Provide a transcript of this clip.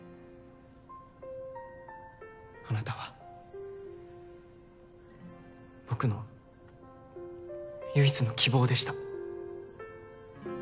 あなたは僕の唯一の希望でした。